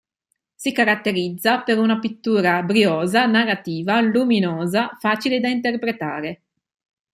Si caratterizza per una pittura briosa, narrativa, luminosa, facile da interpretare.